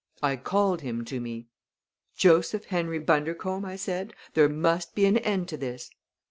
I called him to me. "'Joseph Henry Bundercombe,' I said,'there must be an end to this!'